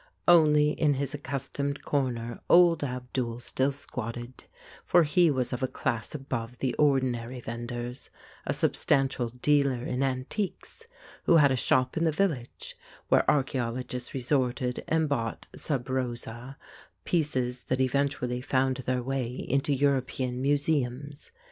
Only in his accustomed corner old Abdul still squatted, for he was of a class above the ordinary vendors, a substantial dealer in antiques, who had a shop in the village, where archaeologists resorted, and bought, sub rosa, pieces that eventually found their way into European museums.